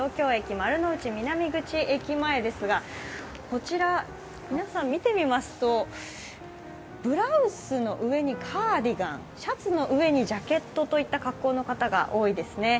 丸の内南口前ですが皆さん見てみますと、ブラウスの上にカーディガン、シャツの上にジャケットという格好の方が多いです。